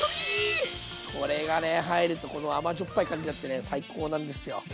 これがね入るとこの甘じょっぱい感じになってね最高なんですよ。